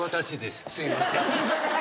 すいません。